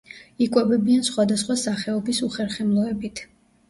იკვებებიან სხვადასხვა სახეობის უხერხემლოებით.